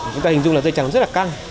chúng ta hình dung là dây chẳng rất là căng